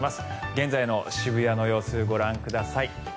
現在の渋谷の様子ご覧ください。